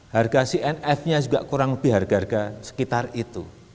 harga cnf nya juga kurang lebih harga harga sekitar itu